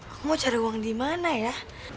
aku mau cari uang dimana ya